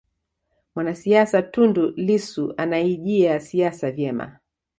mwanasiasa tundu lissu anaijia siasa vyema